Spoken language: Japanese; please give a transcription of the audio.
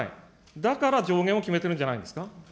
だから上限を決めてるんじゃないですか。